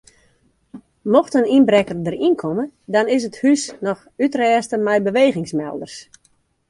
Mocht in ynbrekker deryn komme dan is it hús noch útrêste mei bewegingsmelders.